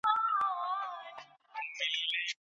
ولي زیارکښ کس د وړ کس په پرتله ښه ځلېږي؟